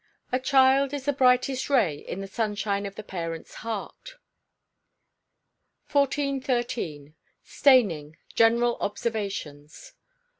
[A CHILD IS THE BRIGHTEST RAY IN THE SUNSHIRE OF THE PARENT'S HEART.] 1413. Staining. General Observations.